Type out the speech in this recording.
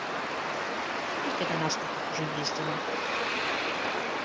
Колькі да нас такіх ужо ездзіла?